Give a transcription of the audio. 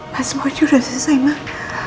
mas boy juga selesai mak